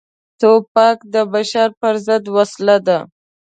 توپک د بشر پر ضد وسله ده.